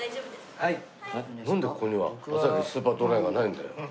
なんでここにはアサヒスーパードライがないんだよ。